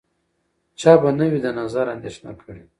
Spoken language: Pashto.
چا به نه وي د نظر اندېښنه کړې